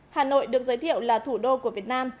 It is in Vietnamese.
hà nội được giới thiệu là thủ đô của việt nam